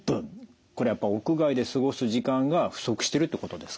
これやっぱ屋外で過ごす時間が不足してるってことですか？